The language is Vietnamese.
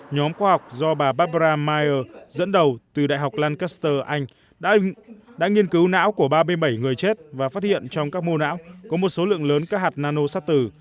nhóm khoa học do bà barbara miyer dẫn đầu từ đại học lankasteur anh đã nghiên cứu não của ba mươi bảy người chết và phát hiện trong các mô não có một số lượng lớn các hạt nanosa tử